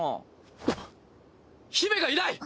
あっ姫がいない！